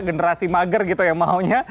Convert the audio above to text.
generasi mager gitu ya maunya